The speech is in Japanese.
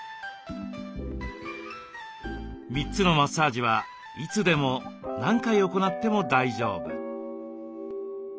３つのマッサージはいつでも何回行っても大丈夫。